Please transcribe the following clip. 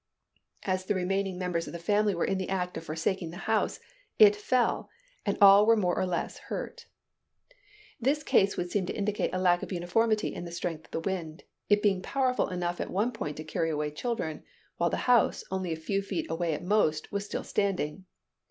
As the remaining members of the family were in the act of forsaking the house, it fell, and all were more or less hurt. This case would seem to indicate a lack of uniformity in the strength of the wind; it being powerful enough at one point to carry away children, while the house, only a few feet away at most, was still standing.